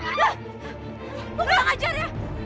gua nggak ngajar ya